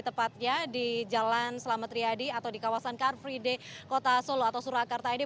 tepatnya di jalan selamat riyadi atau di kawasan car free day kota solo atau surakarta ini